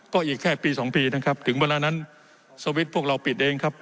ก็อีกแค่ปี๒ปีนะครับถึงเวลานั้นสวิตช์พวกเราปิดเองครับ